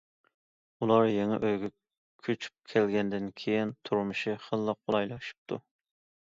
ئۇلار يېڭى ئۆيىگە كۆچۈپ كەلگەندىن كېيىن، تۇرمۇشى خېلىلا قولايلىشىپتۇ.